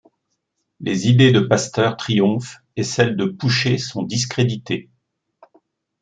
Les idées de Pasteur triomphent et celles de Pouchet sont discréditées.